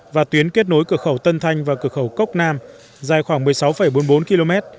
và tuyến kết nối cửa khẩu tân thanh và cửa khẩu cốc nam dài khoảng một mươi sáu bốn mươi bốn km